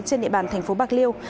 trên địa bàn thành phố bạc liêu